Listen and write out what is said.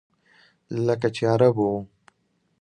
لکه چې عرب و.